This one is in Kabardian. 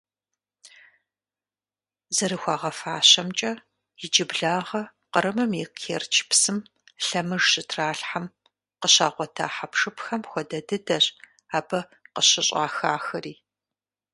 ЗэрыхуагъэфащэмкӀэ, иджыблагъэ Кърымым и Керчь псым лъэмыж щытралъхьэм къыщагъуэта хьэпшыпхэм хуэдэ дыдэщ абы къыщыщӀахахэри.